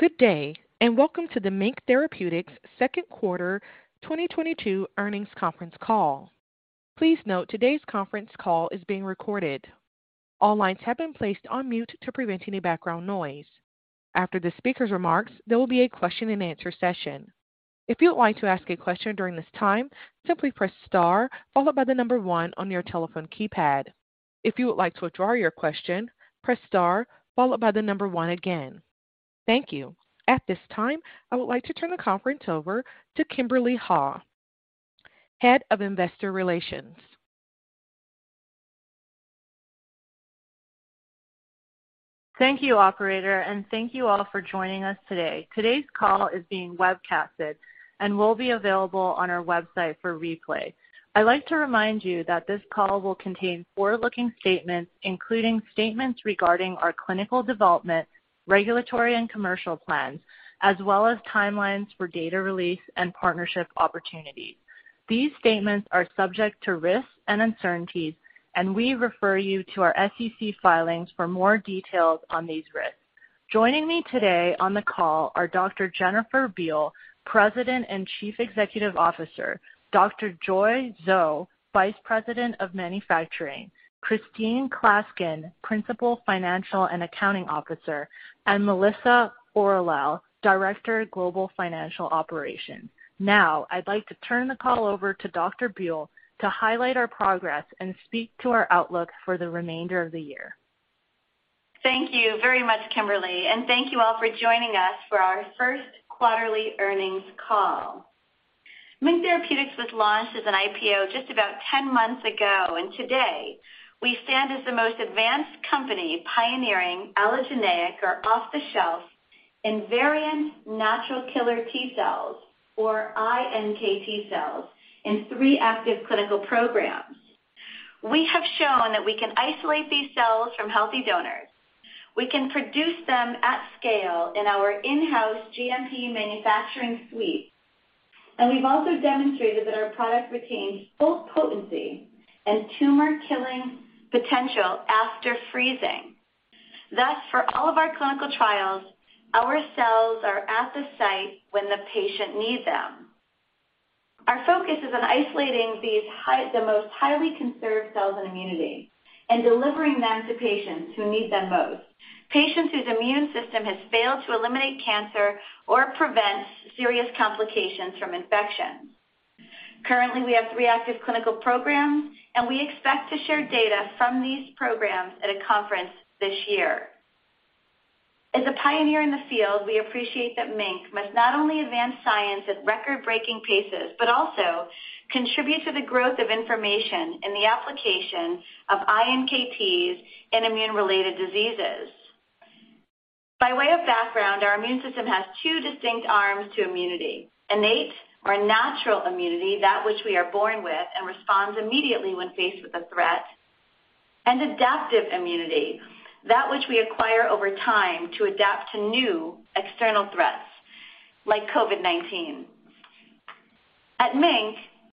Good day, and welcome to the MiNK Therapeutics Second Quarter 2022 Earnings Conference Call. Please note today's conference call is being recorded. All lines have been placed on mute to prevent any background noise. After the speaker's remarks, there will be a question-and-answer session. If you would like to ask a question during this time, simply press star followed by the number one on your telephone keypad. If you would like to withdraw your question, press star followed by the number one again. Thank you. At this time, I would like to turn the conference over to Kimberly Ha, Head of Investor Relations. Thank you, operator, and thank you all for joining us today. Today's call is being webcasted and will be available on our website for replay. I'd like to remind you that this call will contain forward-looking statements, including statements regarding our clinical development, regulatory and commercial plans, as well as timelines for data release and partnership opportunities. These statements are subject to risks and uncertainties, and we refer you to our SEC filings for more details on these risks. Joining me today on the call are Dr. Jennifer Buell, President and Chief Executive Officer, Dr. Joy Zhou, Vice President of Manufacturing, Christine Klaskin, Principal Financial and Accounting Officer, and Melissa Orilall, Director, Global Financial Operations. Now, I'd like to turn the call over to Dr. Buell to highlight our progress and speak to our outlook for the remainder of the year. Thank you very much, Kimberly, and thank you all for joining us for our first quarterly earnings call. MiNK Therapeutics was launched as an IPO just about 10 months ago, and today we stand as the most advanced company pioneering allogeneic or off-the-shelf invariant natural killer T cells or iNKT cells in three active clinical programs. We have shown that we can isolate these cells from healthy donors. We can produce them at scale in our in-house GMP manufacturing suite. We've also demonstrated that our product retains full potency and tumor-killing potential after freezing. Thus, for all of our clinical trials, our cells are at the site when the patient needs them. Our focus is on isolating these high... The most highly conserved cells in immunity and delivering them to patients who need them most, patients whose immune system has failed to eliminate cancer or prevent serious complications from infection. Currently, we have three active clinical programs, and we expect to share data from these programs at a conference this year. As a pioneer in the field, we appreciate that MiNK must not only advance science at record-breaking paces, but also contribute to the growth of information in the application of iNKT's in immune-related diseases. By way of background, our immune system has two distinct arms to immunity, innate or natural immunity, that which we are born with and responds immediately when faced with a threat, and adaptive immunity, that which we acquire over time to adapt to new external threats like COVID-19. At MiNK,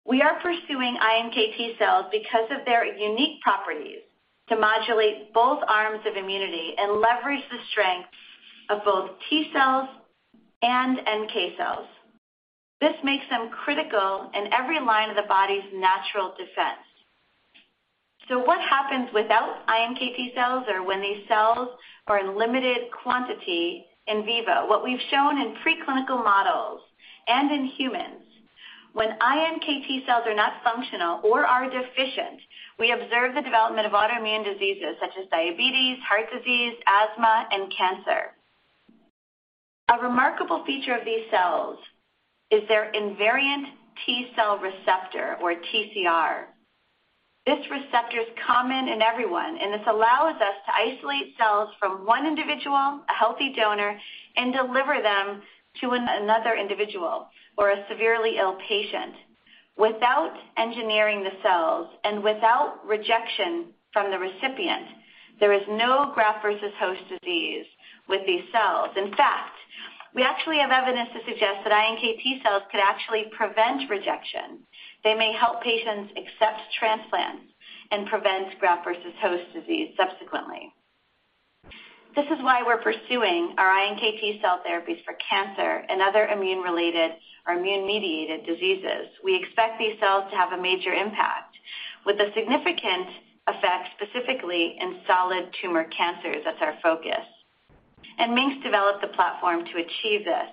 we are pursuing iNKT cells because of their unique properties to modulate both arms of immunity and leverage the strength of both T cells and NK cells. This makes them critical in every line of the body's natural defense. What happens without iNKT cells or when these cells are in limited quantity in vivo? What we've shown in preclinical models and in humans, when iNKT cells are not functional or are deficient, we observe the development of autoimmune diseases such as diabetes, heart disease, asthma, and cancer. A remarkable feature of these cells is their invariant T-cell receptor or TCR. This receptor is common in everyone, and this allows us to isolate cells from one individual, a healthy donor, and deliver them to another individual or a severely ill patient. Without engineering the cells and without rejection from the recipient, there is no graft versus host disease with these cells. In fact, we actually have evidence to suggest that iNKT cells could actually prevent rejection. They may help patients accept transplants and prevent graft versus host disease subsequently. This is why we're pursuing our iNKT cell therapies for cancer and other immune-related or immune-mediated diseases. We expect these cells to have a major impact with a significant effect specifically in solid tumor cancers. That's our focus. MiNK developed the platform to achieve this.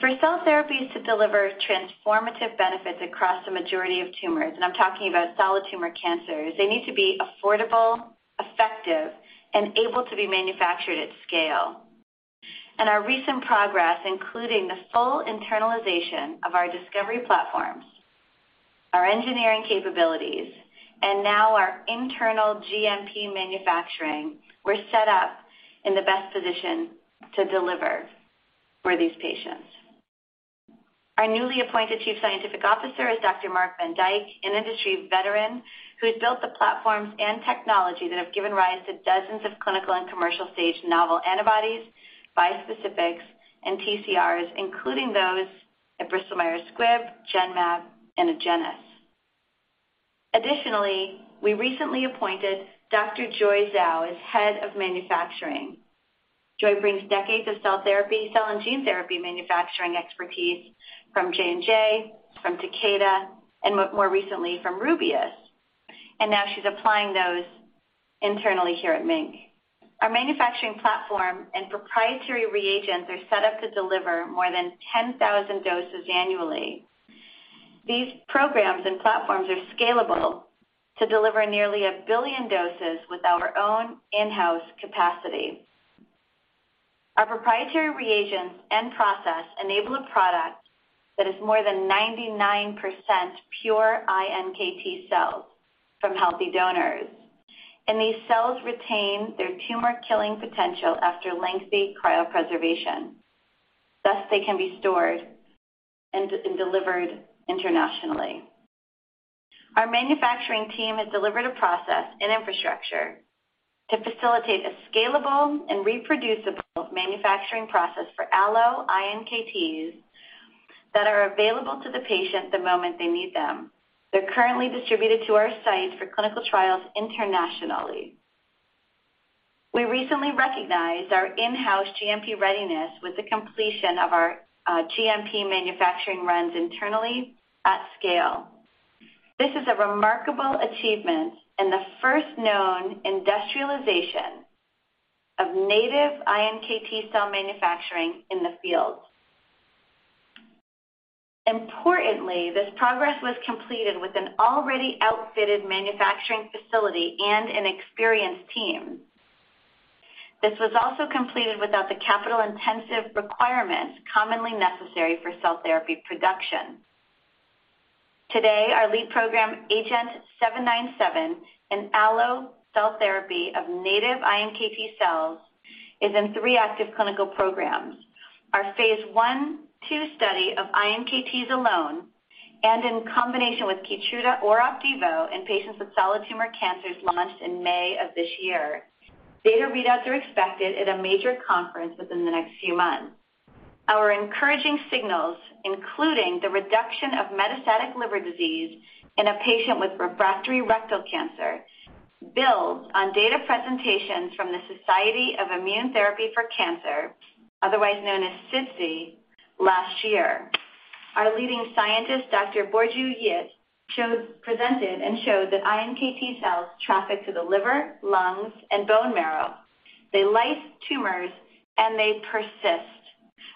For cell therapies to deliver transformative benefits across the majority of tumors, and I'm talking about solid tumor cancers, they need to be affordable, effective, and able to be manufactured at scale. Our recent progress, including the full internalization of our discovery platforms, our engineering capabilities, and now our internal GMP manufacturing, we're set up in the best position to deliver for these patients. Our newly appointed chief scientific officer is Dr. Mark van Dijk, an industry veteran who has built the platforms and technology that have given rise to dozens of clinical and commercial-stage novel antibodies, bispecifics, and TCRs, including those at Bristol Myers Squibb, Genmab, and Agenus. Additionally, we recently appointed Dr. Joy Zhou as head of manufacturing. Joy brings decades of cell therapy, cell and gene therapy manufacturing expertise from J&J, from Takeda, and more recently from Rubius. Now she's applying those internally here at MiNK. Our manufacturing platform and proprietary reagents are set up to deliver more than 10,000 doses annually. These programs and platforms are scalable to deliver nearly one billion doses with our own in-house capacity. Our proprietary reagents and process enable a product that is more than 99% pure iNKT cells from healthy donors, and these cells retain their tumor-killing potential after lengthy cryopreservation. Thus, they can be stored and delivered internationally. Our manufacturing team has delivered a process and infrastructure to facilitate a scalable and reproducible manufacturing process for allo iNKT that are available to the patient the moment they need them. They're currently distributed to our site for clinical trials internationally. We recently recognized our in-house GMP readiness with the completion of our GMP manufacturing runs internally at scale. This is a remarkable achievement and the first known industrialization of native iNKT cell manufacturing in the field. Importantly, this progress was completed with an already outfitted manufacturing facility and an experienced team. This was also completed without the capital-intensive requirements commonly necessary for cell therapy production. Today, our lead program, agenT-797, an allo cell therapy of native iNKT cells, is in three active clinical programs. Our phase I/II study of iNKTs alone and in combination with KEYTRUDA or OPDIVO in patients with solid tumor cancers launched in May of this year. Data readouts are expected at a major conference within the next few months. Our encouraging signals, including the reduction of metastatic liver disease in a patient with refractory rectal cancer, builds on data presentations from the Society for Immunotherapy of Cancer, otherwise known as SITC, last year. Our leading scientist, Dr. Mark Exley, presented that iNKT cells traffic to the liver, lungs, and bone marrow. They lyse tumors, and they persist.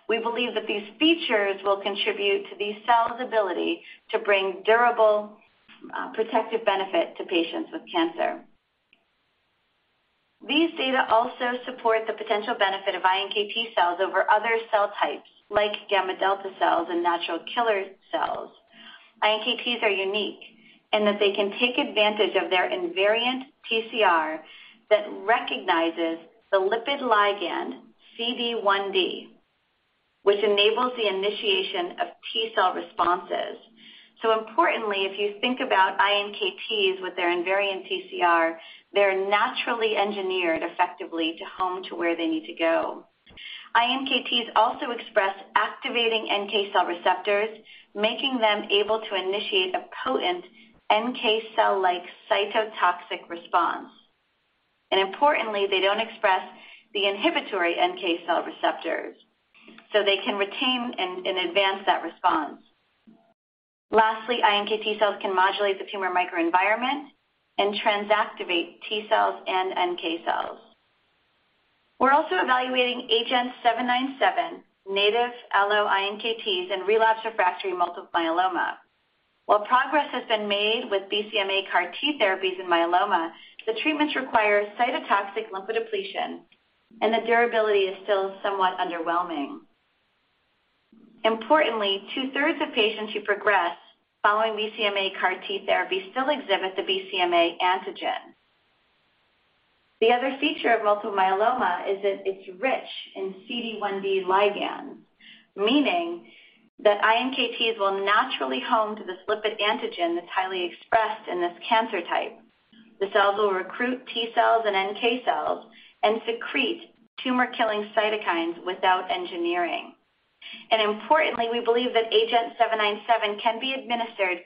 We believe that these features will contribute to these cells' ability to bring durable, protective benefit to patients with cancer. These data also support the potential benefit of iNKT cells over other cell types like gamma delta cells and natural killer cells. iNKTs are unique in that they can take advantage of their invariant TCR that recognizes the lipid ligand CD1d, which enables the initiation of T cell responses. Importantly, if you think about iNKTs with their invariant TCR, they're naturally engineered effectively to home to where they need to go. iNKTs also express activating NK cell receptors, making them able to initiate a potent NK cell-like cytotoxic response. Importantly, they don't express the inhibitory NK cell receptors, so they can retain and advance that response. Lastly, iNKT cells can modulate the tumor microenvironment and transactivate T cells and NK cells. We're also evaluating agenT-797 native allo iNKTs in relapsed refractory multiple myeloma. While progress has been made with BCMA CAR T therapies in myeloma, the treatments require cytotoxic lymphodepletion, and the durability is still somewhat underwhelming. Importantly, two-thirds of patients who progress following BCMA CAR T therapy still exhibit the BCMA antigen. The other feature of multiple myeloma is that it's rich in CD1d ligand, meaning that iNKTs will naturally home to this lipid antigen that's highly expressed in this cancer type. The cells will recruit T cells and NK cells and secrete tumor-killing cytokines without engineering. Importantly, we believe that agenT-797 can be administered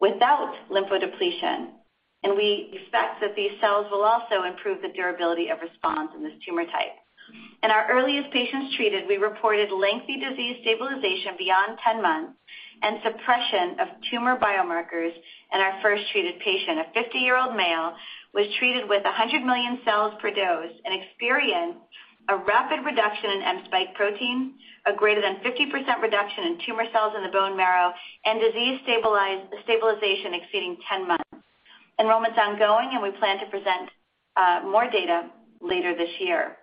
without lymphodepletion, and we expect that these cells will also improve the durability of response in this tumor type. In our earliest patients treated, we reported lengthy disease stabilization beyond 10 months and suppression of tumor biomarkers in our first-treated patient. A 50-year-old male was treated with 100 million cells per dose and experienced a rapid reduction in M-spike protein, a greater than 50% reduction in tumor cells in the bone marrow, and disease stabilization exceeding 10 months. Enrollment's ongoing, and we plan to present more data later this year.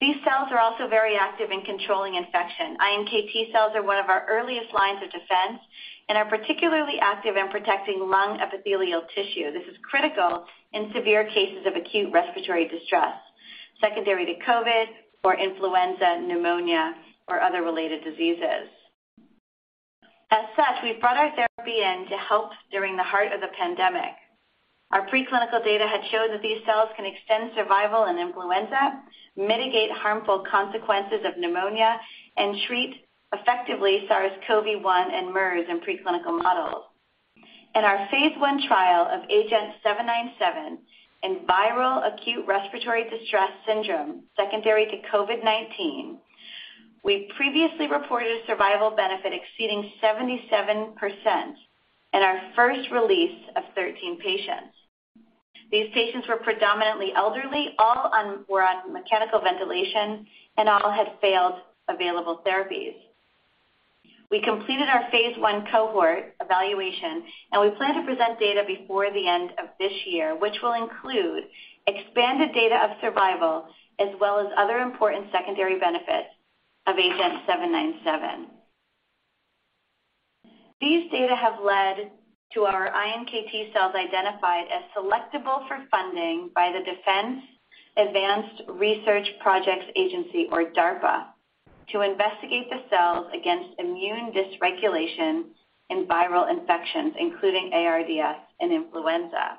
These cells are also very active in controlling infection. iNKT cells are one of our earliest lines of defense and are particularly active in protecting lung epithelial tissue. This is critical in severe cases of acute respiratory distress, secondary to COVID or influenza, pneumonia, or other related diseases. As such, we've brought our therapy in to help during the heart of the pandemic. Our preclinical data had showed that these cells can extend survival in influenza, mitigate harmful consequences of pneumonia, and treat effectively SARS-CoV-1 and MERS in preclinical models. In our phase I trial of agenT-797 in viral acute respiratory distress syndrome secondary to COVID-19, we previously reported a survival benefit exceeding 77% in our first release of 13 patients. These patients were predominantly elderly, all were on mechanical ventilation, and all had failed available therapies. We completed our phase I cohort evaluation, and we plan to present data before the end of this year, which will include expanded data of survival as well as other important secondary benefits of agenT-797. These data have led to our iNKT cells identified as selectable for funding by the Defense Advanced Research Projects Agency, or DARPA, to investigate the cells against immune dysregulation in viral infections, including ARDS and influenza.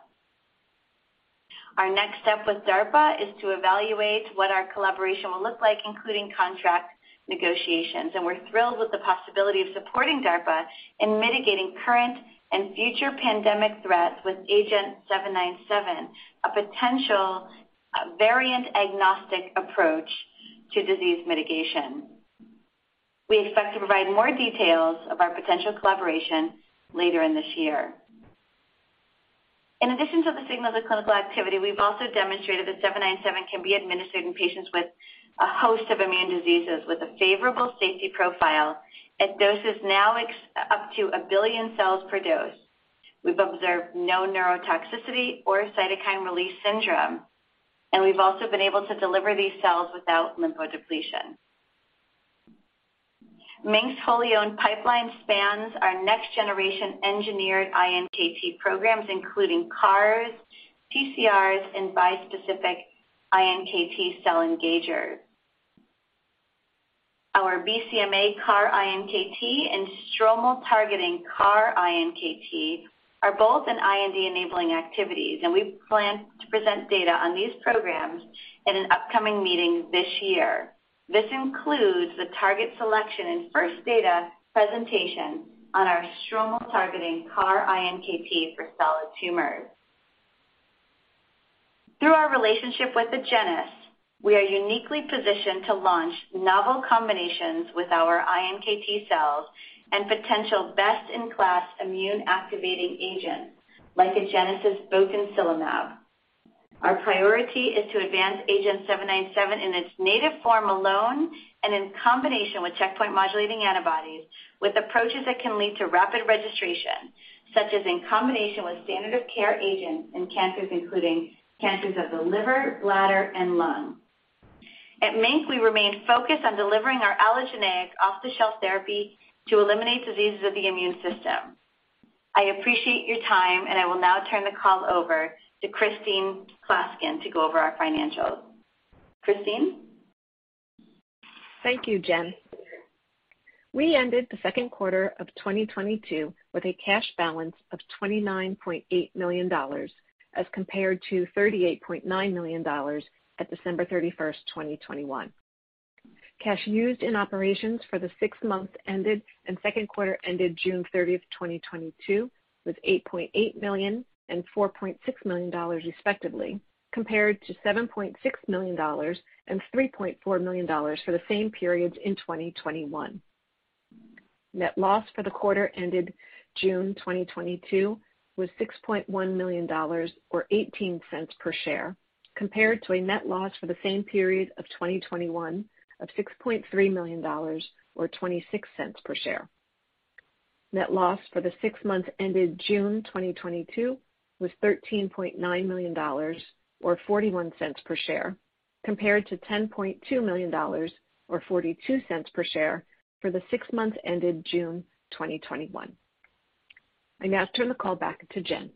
Our next step with DARPA is to evaluate what our collaboration will look like, including contract negotiations, and we're thrilled with the possibility of supporting DARPA in mitigating current and future pandemic threats with agenT-797, a potential variant agnostic approach to disease mitigation. We expect to provide more details of our potential collaboration later in this year. In addition to the signals of clinical activity, we've also demonstrated that agenT-797 can be administered in patients with a host of immune diseases with a favorable safety profile at doses now up to a billion cells per dose. We've observed no neurotoxicity or cytokine release syndrome, and we've also been able to deliver these cells without lymphodepletion. MiNK's fully owned pipeline spans our next generation engineered iNKT programs, including CARs, TCRs, and bispecific iNKT cell engagers. Our BCMA CAR-iNKT and stromal-targeting CAR-iNKT are both in IND-enabling activities, and we plan to present data on these programs in an upcoming meeting this year. This includes the target selection and first data presentation on our stromal-targeting CAR-iNKT for solid tumors. Through our relationship with Agenus, we are uniquely positioned to launch novel combinations with our iNKT cells and potential best-in-class immune activating agents like Agenus' botensilimab. Our priority is to advance agenT-797 in its native form alone and in combination with checkpoint modulating antibodies with approaches that can lead to rapid registration, such as in combination with standard of care agents in cancers, including cancers of the liver, bladder, and lung. At MiNK, we remain focused on delivering our allogeneic off-the-shelf therapy to eliminate diseases of the immune system. I appreciate your time, and I will now turn the call over to Christine Klaskin to go over our financials. Christine? Thank you, Jen. We ended the second quarter of 2022 with a cash balance of $29.8 million as compared to $38.9 million at December 31, 2021. Cash used in operations for the six months ended and second quarter ended June 30, 2022, was $8.8 million and $4.6 million respectively, compared to $7.6 million and $3.4 million for the same periods in 2021. Net loss for the quarter ended June 2022 was $6.1 million or $0.18 per share, compared to a net loss for the same period of 2021 of $6.3 million or $0.26 per share. Net loss for the six months ended June 2022 was $13.9 million or $0.41 per share, compared to $10.2 million or $0.42 per share for the six months ended June 2021. I now turn the call back to Jen.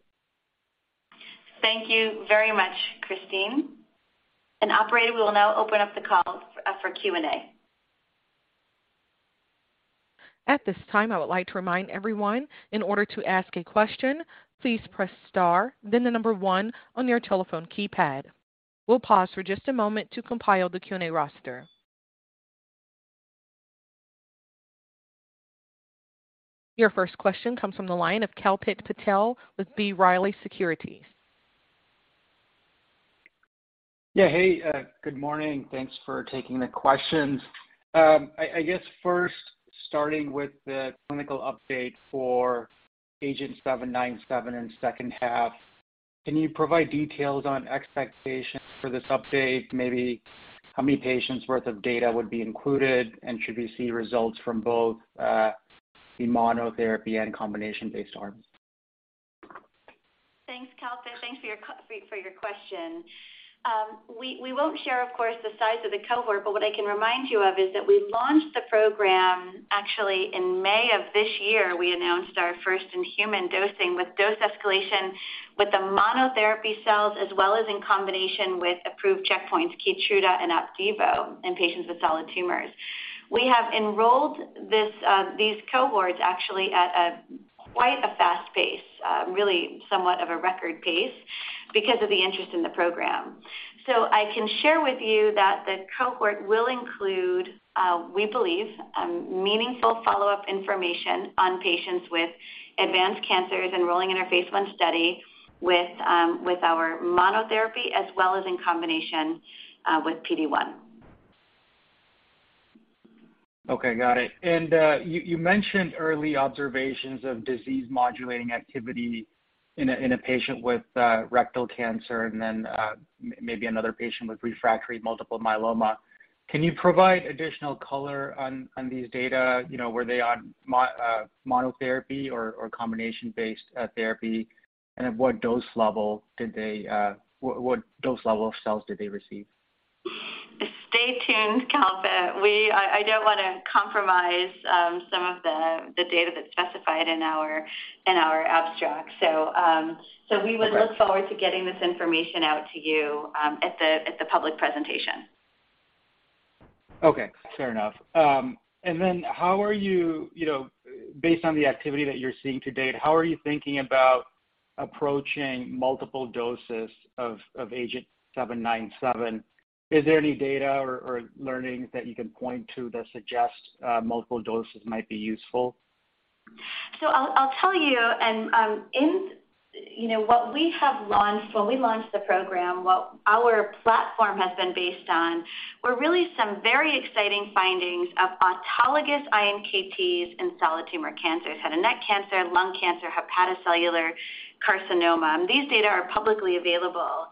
Thank you very much, Christine. Operator, we will now open up the call for Q&A. At this time, I would like to remind everyone in order to ask a question, please press star, then the number one on your telephone keypad. We'll pause for just a moment to compile the Q&A roster. Your first question comes from the line of Kalpit Patel with B. Riley Securities. Yeah. Hey, good morning. Thanks for taking the questions. I guess first starting with the clinical update for agenT-797 in second half, can you provide details on expectations for this update? Maybe how many patients worth of data would be included, and should we see results from both, the monotherapy and combination-based arms? Thanks, Kalpit. Thanks for your question. We won't share, of course, the size of the cohort, but what I can remind you of is that we launched the program actually in May of this year. We announced our first in human dosing with dose escalation with the monotherapy cells as well as in combination with approved checkpoints KEYTRUDA and OPDIVO in patients with solid tumors. We have enrolled these cohorts actually at a quite fast pace, really somewhat of a record pace because of the interest in the program. I can share with you that the cohort will include, we believe, meaningful follow-up information on patients with advanced cancers enrolling in our phase I study with our monotherapy, as well as in combination with PD-1. Okay, got it. You mentioned early observations of disease modulating activity in a patient with rectal cancer and then maybe another patient with refractory multiple myeloma. Can you provide additional color on these data? You know, were they on monotherapy or combination-based therapy? And at what dose level of cells did they receive? Stay tuned, Kalpit. I don't wanna compromise some of the data that's specified in our abstract. We would- Okay. Look forward to getting this information out to you at the public presentation. Okay, fair enough. How are you know, based on the activity that you're seeing to date, how are you thinking about approaching multiple doses of agenT-797? Is there any data or learnings that you can point to that suggest multiple doses might be useful? I'll tell you. You know, what we have launched, when we launched the program, what our platform has been based on were really some very exciting findings of autologous iNKTs in solid tumor cancers, head and neck cancer, lung cancer, hepatocellular carcinoma. These data are publicly available.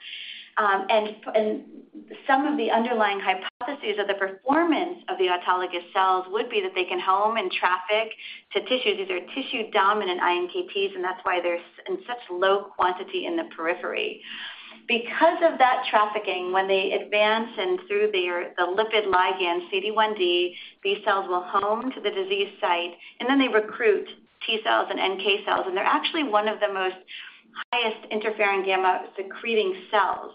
Some of the underlying hypotheses of the performance of the autologous cells would be that they can home and traffic to tissues. These are tissue-dominant iNKTs, and that's why they're in such low quantity in the periphery. Because of that trafficking, when they advance in through the lipid ligand CD1d, these cells will home to the disease site, and then they recruit T cells and NK cells, and they're actually one of the most highest interferon gamma secreting cells.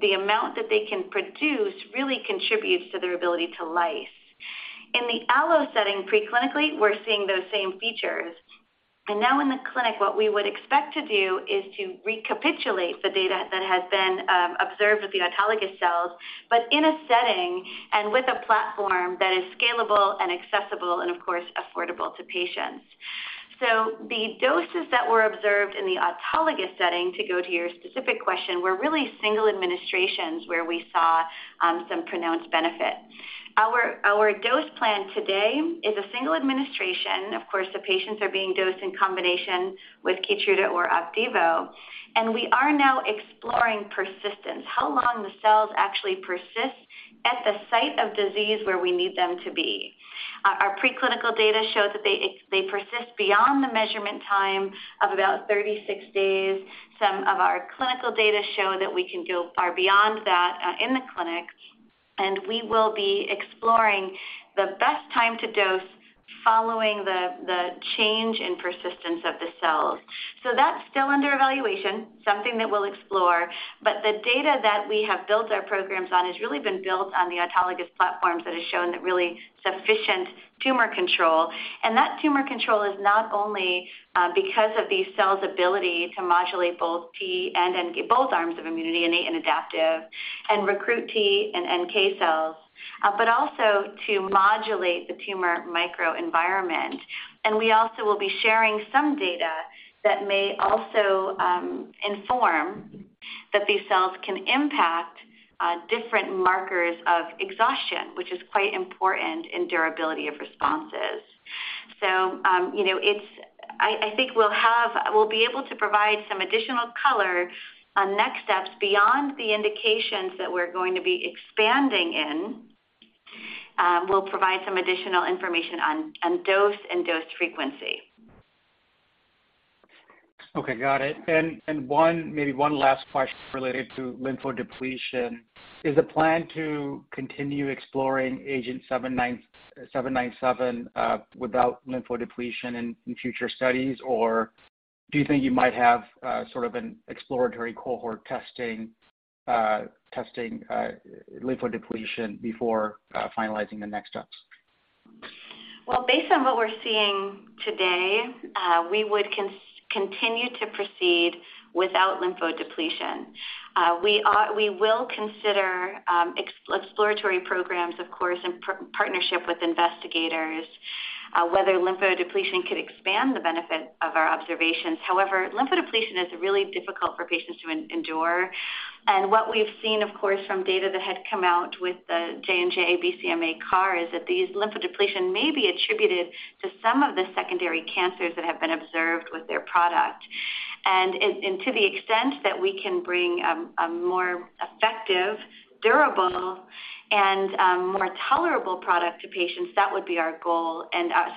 The amount that they can produce really contributes to their ability to lyse. In the allo setting preclinically, we're seeing those same features. Now in the clinic, what we would expect to do is to recapitulate the data that has been observed with the autologous cells, but in a setting and with a platform that is scalable and accessible and of course, affordable to patients. The doses that were observed in the autologous setting, to go to your specific question, were really single administrations where we saw some pronounced benefit. Our dose plan today is a single administration. Of course, the patients are being dosed in combination with KEYTRUDA or OPDIVO, and we are now exploring persistence, how long the cells actually persist at the site of disease where we need them to be. Our preclinical data show that they persist beyond the measurement time of about 36 days. Some of our clinical data show that we can go far beyond that, in the clinic, and we will be exploring the best time to dose following the change in persistence of the cells. That's still under evaluation, something that we'll explore. The data that we have built our programs on has really been built on the autologous platforms that has shown that really sufficient tumor control. That tumor control is not only because of these cells' ability to modulate both arms of immunity, innate and adaptive, and recruit T and NK cells, but also to modulate the tumor microenvironment. We also will be sharing some data that may also inform that these cells can impact different markers of exhaustion, which is quite important in durability of responses. You know, it's. I think we'll be able to provide some additional color on next steps beyond the indications that we're going to be expanding in. We'll provide some additional information on dose and dose frequency. Okay, got it. One last question related to lymphodepletion. Is the plan to continue exploring agenT-797 without lymphodepletion in future studies, or do you think you might have sort of an exploratory cohort testing lymphodepletion before finalizing the next steps? Well, based on what we're seeing today, we would continue to proceed without lymphodepletion. We will consider exploratory programs, of course, in partnership with investigators, whether lymphodepletion could expand the benefit of our observations. However, lymphodepletion is really difficult for patients to endure. What we've seen, of course, from data that had come out with the J&J BCMA CAR is that these lymphodepletion may be attributed to some of the secondary cancers that have been observed with their product. To the extent that we can bring a more effective, durable, and more tolerable product to patients, that would be our goal.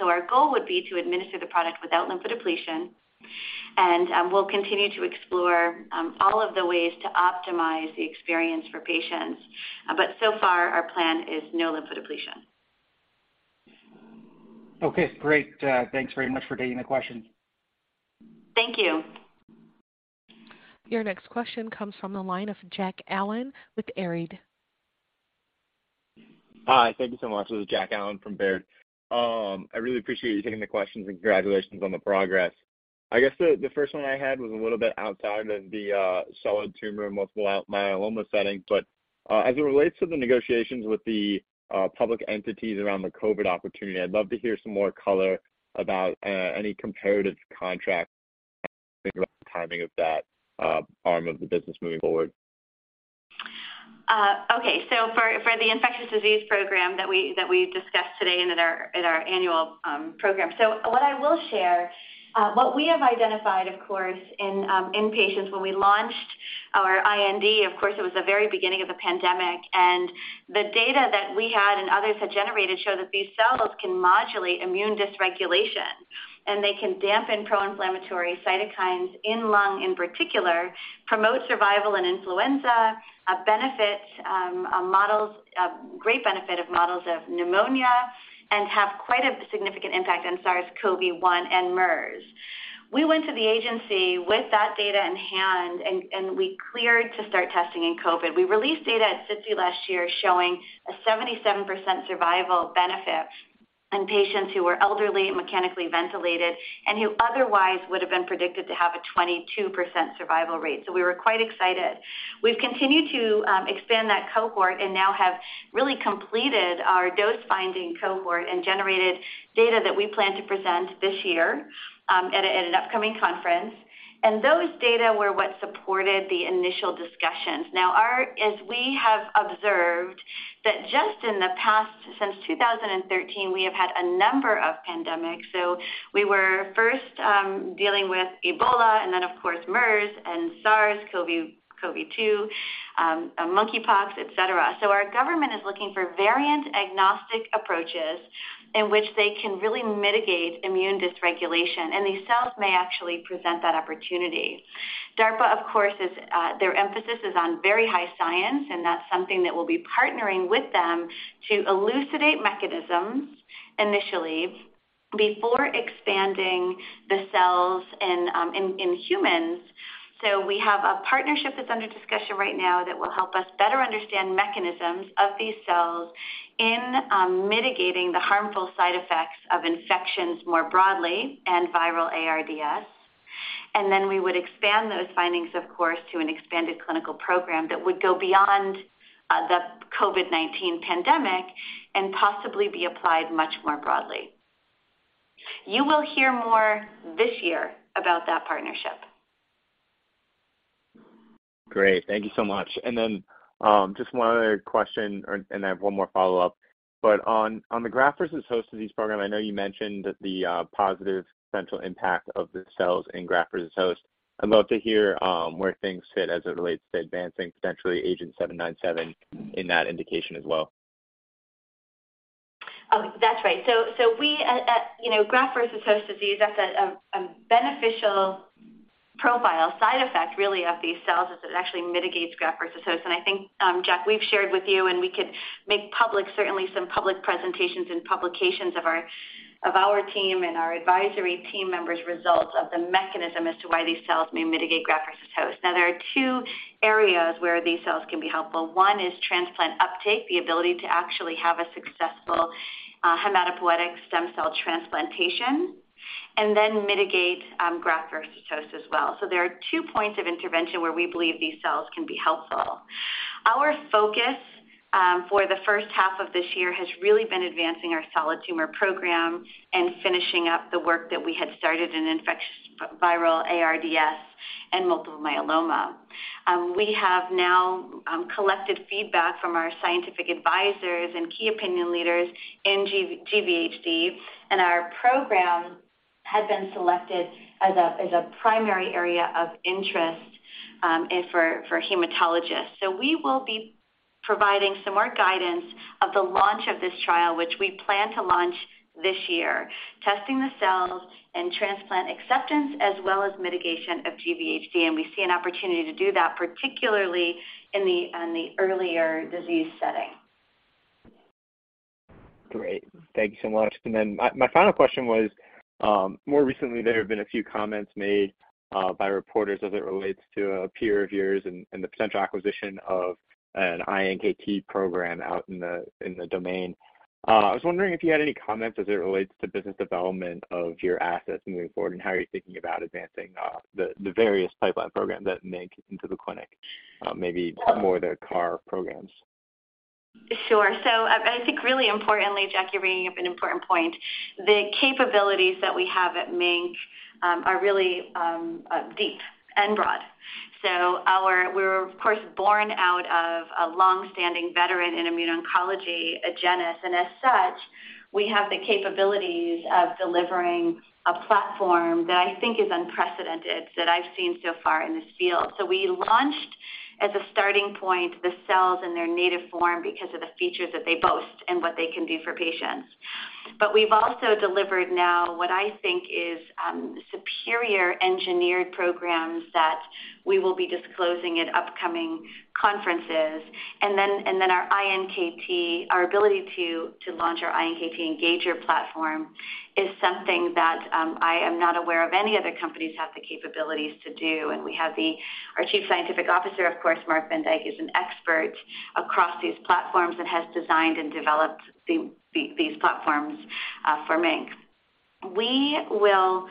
Our goal would be to administer the product without lymphodepletion, and we'll continue to explore all of the ways to optimize the experience for patients. So far, our plan is no lymphodepletion. Okay, great. Thanks very much for taking the question. Thank you. Your next question comes from the line of Jack Allen with Baird. Hi. Thank you so much. This is Jack Allen from Baird. I really appreciate you taking the questions, and congratulations on the progress. I guess the first one I had was a little bit outside of the solid tumor multiple myeloma setting, but as it relates to the negotiations with the public entities around the COVID opportunity, I'd love to hear some more color about any comparative contracts timing of that arm of the business moving forward. Okay. For the infectious disease program that we discussed today in our annual program. What we have identified, of course, in patients when we launched our IND, of course it was the very beginning of the pandemic, and the data that we had and others had generated show that these cells can modulate immune dysregulation, and they can dampen pro-inflammatory cytokines in lung, in particular, promote survival in influenza, great benefit in models of pneumonia and have quite a significant impact on SARS-CoV-1 and MERS. We went to the agency with that data in hand and we were cleared to start testing in COVID. We released data at SITC last year showing a 77% survival benefit in patients who were elderly and mechanically ventilated and who otherwise would have been predicted to have a 22% survival rate, so we were quite excited. We've continued to expand that cohort and now have really completed our dose-finding cohort and generated data that we plan to present this year at an upcoming conference. Those data were what supported the initial discussions. Now, as we have observed that just in the past, since 2013, we have had a number of pandemics. We were first dealing with Ebola and then, of course, MERS and SARS-CoV-2, monkeypox, et cetera. Our government is looking for variant-agnostic approaches in which they can really mitigate immune dysregulation, and these cells may actually present that opportunity. DARPA, of course, is. Their emphasis is on very high science, and that's something that we'll be partnering with them to elucidate mechanisms initially before expanding the cells in humans. We have a partnership that's under discussion right now that will help us better understand mechanisms of these cells in mitigating the harmful side effects of infections more broadly and viral ARDS. We would expand those findings, of course, to an expanded clinical program that would go beyond the COVID-19 pandemic and possibly be applied much more broadly. You will hear more this year about that partnership. Great. Thank you so much. Then, just one other question and I have one more follow-up. On the graft-versus-host disease program, I know you mentioned that the positive potential impact of the cells in graft versus host. I'd love to hear where things sit as it relates to advancing potentially agenT-797 in that indication as well. That's right. So, you know, for graft-versus-host disease, that's a beneficial profile, side effect really of these cells is it actually mitigates graft-versus-host. I think, Jack, we've shared with you and we could make public certainly some public presentations and publications of our team and our advisory team members' results of the mechanism as to why these cells may mitigate graft-versus-host. Now, there are two areas where these cells can be helpful. One is transplant uptake, the ability to actually have a successful hematopoietic stem cell transplantation, and then mitigate graft-versus-host as well. There are two points of intervention where we believe these cells can be helpful. Our focus, for the first half of this year has really been advancing our solid tumor program and finishing up the work that we had started in viral ARDS and multiple myeloma. We have now collected feedback from our scientific advisors and key opinion leaders in GVHD, and our program had been selected as a primary area of interest and for hematologists. We will be providing some more guidance of the launch of this trial, which we plan to launch this year, testing the cells and transplant acceptance as well as mitigation of GVHD, and we see an opportunity to do that, particularly in the earlier disease setting. Great. Thank you so much. Then my final question was, more recently, there have been a few comments made by reporters as it relates to peer reviewers and the potential acquisition of an iNKT program out in the domain. I was wondering if you had any comments as it relates to business development of your assets moving forward, and how are you thinking about advancing the various pipeline programs at MiNK into the clinic, maybe more the CAR programs? Sure. I think really importantly, Jack, you're bringing up an important point. The capabilities that we have at MiNK are really deep and broad. We were, of course, born out of a long-standing veteran in immuno-oncology, Agenus, and as such, we have the capabilities of delivering a platform that I think is unprecedented that I've seen so far in this field. We launched as a starting point the cells in their native form because of the features that they boast and what they can do for patients. We've also delivered now what I think is superior engineered programs that we will be disclosing at upcoming conferences. Our iNKT, our ability to launch our iNKT engager platform is something that I am not aware of any other companies have the capabilities to do. Our Chief Scientific Officer, of course, Marc van Dijk, is an expert across these platforms and has designed and developed these platforms for MiNK. We will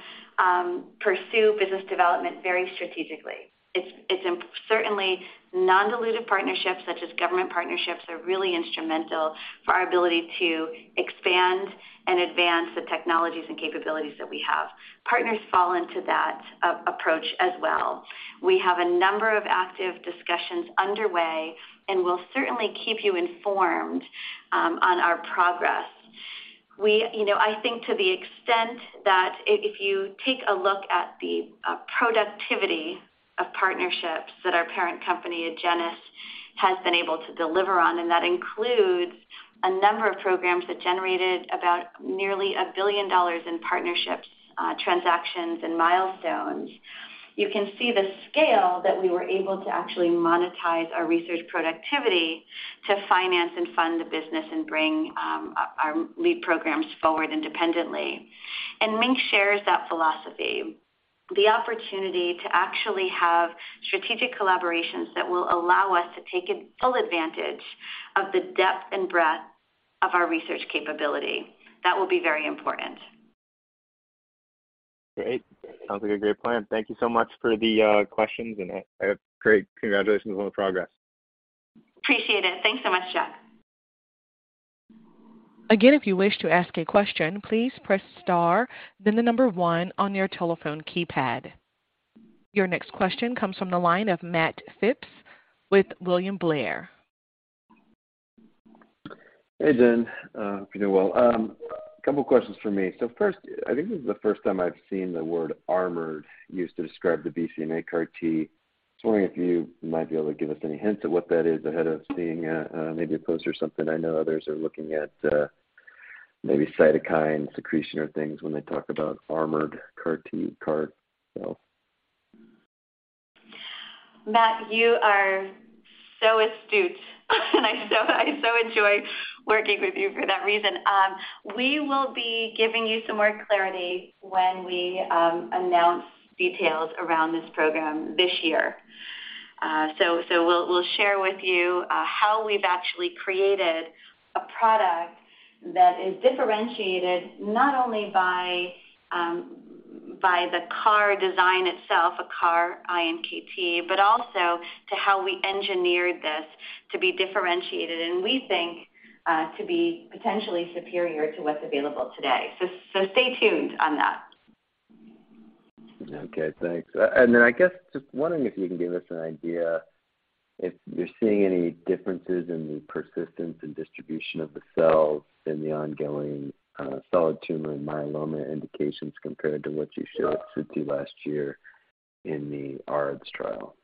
pursue business development very strategically. Certainly non-dilutive partnerships such as government partnerships are really instrumental for our ability to expand and advance the technologies and capabilities that we have. Partners fall into that approach as well. We have a number of active discussions underway, and we'll certainly keep you informed on our progress. You know, I think to the extent that if you take a look at the productivity of partnerships that our parent company at Agenus has been able to deliver on, and that includes a number of programs that generated about nearly $1 billion in partnerships, transactions and milestones, you can see the scale that we were able to actually monetize our research productivity to finance and fund the business and bring our lead programs forward independently. MiNK shares that philosophy. The opportunity to actually have strategic collaborations that will allow us to take a full advantage of the depth and breadth of our research capability, that will be very important. Great. Sounds like a great plan. Thank you so much for the questions, and great congratulations on the progress. Appreciate it. Thanks so much, Jack. Again, if you wish to ask a question, please press star, then the number one on your telephone keypad. Your next question comes from the line of Matt Phipps with William Blair. Hey, Jen. Hope you're well. Couple questions for me. First, I think this is the first time I've seen the word armored used to describe the BCMA CAR T. Just wondering if you might be able to give us any hints at what that is ahead of seeing, maybe a post or something. I know others are looking at, maybe cytokine secretion or things when they talk about armored CAR T, so. Matt, you are so astute and I so enjoy working with you for that reason. We will be giving you some more clarity when we announce details around this program this year. We'll share with you how we've actually created a product that is differentiated not only by the CAR design itself, a CAR-iNKT, but also by how we engineered this to be differentiated and we think to be potentially superior to what's available today. Stay tuned on that. Okay, thanks. I guess just wondering if you can give us an idea if you're seeing any differences in the persistence and distribution of the cells in the ongoing solid tumor and myeloma indications compared to what you showed at SITC last year in the ARDS trial.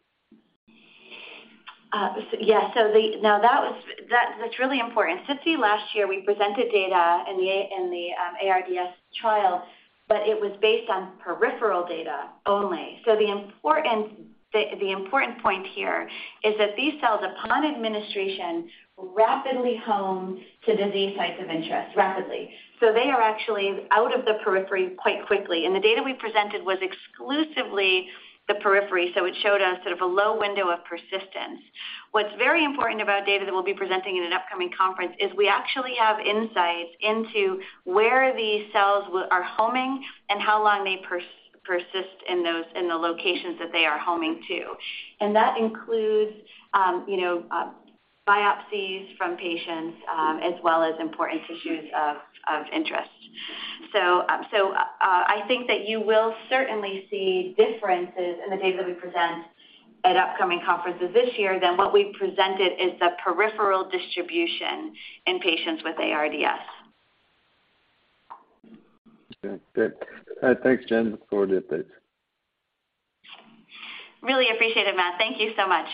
Now that was that's really important. SITC last year, we presented data in the ARDS trial, but it was based on peripheral data only. The important point here is that these cells, upon administration, rapidly home to disease sites of interest. Rapidly. They are actually out of the periphery quite quickly, and the data we presented was exclusively the periphery, so it showed us sort of a low window of persistence. What's very important about data that we'll be presenting in an upcoming conference is we actually have insights into where these cells are homing and how long they persist in those locations that they are homing to. That includes biopsies from patients as well as important tissues of interest. I think that you will certainly see differences in the data that we present at upcoming conferences this year than what we presented as the peripheral distribution in patients with ARDS. Okay. Good. Thanks, Jen, looking forward to the updates. Really appreciate it, Matt. Thank you so much.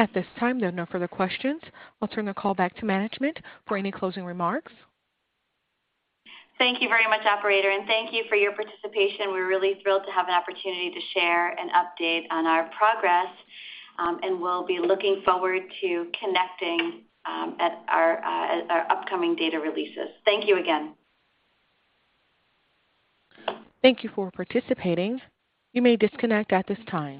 At this time, there are no further questions. I'll turn the call back to management for any closing remarks. Thank you very much, operator, and thank you for your participation. We're really thrilled to have an opportunity to share an update on our progress, and we'll be looking forward to connecting at our upcoming data releases. Thank you again. Thank you for participating. You may disconnect at this time.